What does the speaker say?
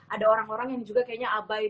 ada orang orang yang juga kayaknya abai